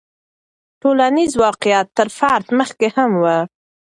ټولنیز واقعیت تر فرد مخکې هم و.